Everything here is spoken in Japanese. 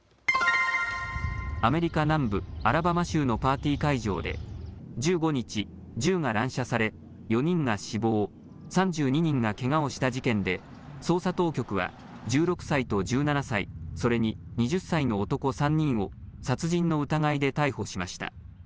アメリカ南部アラバマ州のパーティー会場で１５日、銃が乱射され４人が死亡、３２人がけがをした事件で捜査当局は１６歳と１７歳、それに２０歳の男３人を殺人の疑いで逮捕しました。